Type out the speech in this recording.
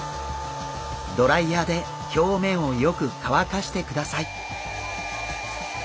ドライヤーで表面をよく乾かしてください。